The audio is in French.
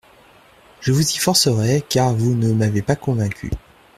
Je vous y forcerai, car vous ne m'avez pas convaincu.